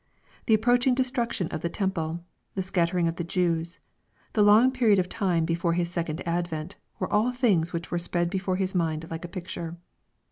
The approaching de struction of the temple, the scattering of the Jews, the long period of time before His second advent, were all things which were spread before His mind like a picture.